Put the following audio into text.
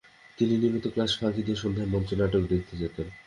তিনি নিয়মিত ক্লাস ফাঁকি দিয়ে সন্ধ্যায় মঞ্চনাটক দেখতে যেতেন।